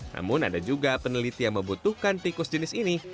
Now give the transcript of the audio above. namun ada juga peneliti yang membutuhkan tikus jenis ini